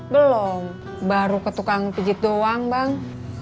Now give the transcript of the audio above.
belum baru ke tukang pijit doang bang